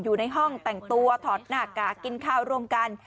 อยู่ในห้องแต่งตัวถอดหน้ากากกินข้าวร่วมกัน